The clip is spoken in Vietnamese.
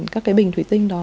các cái bình thủy tinh đó